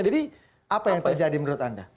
jadi apa yang terjadi menurut anda